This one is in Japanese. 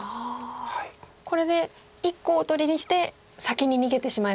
これで１個をおとりにして先に逃げてしまえば。